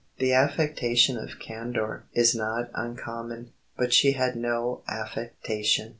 The affectation of candour is not uncommon, but she had no affectation....